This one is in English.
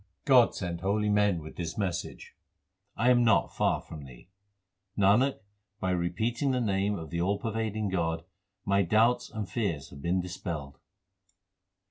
God sent holy men with this message I am not far from thee. Nanak, by repeating the Name of the all pervading God, my doubts and fears have been dispelled.